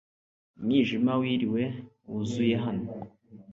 umwijima wiriwe wuzuye hano